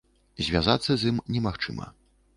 Звязацца з ім немагчыма.